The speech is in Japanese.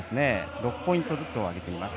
６ポイントずつ挙げています。